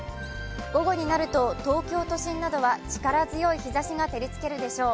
午後になると、東京都心などは力強い日ざしが照りつけるでしょう。